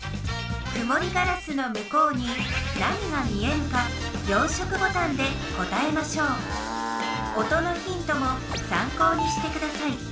くもりガラスの向こうに何が見えるか４色ボタンで答えましょう音のヒントもさん考にしてください。